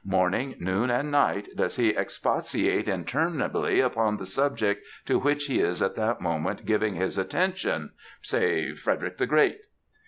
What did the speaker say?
Morning, noon, and night does he expatiate interminably upon the subject to which he is at that moment giving his attention, say Frederick the Great.